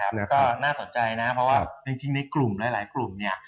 แล้วก็น่าสนใจนะเพราะว่าจริงในกลุ่มหลายกลุ่มเนี่ย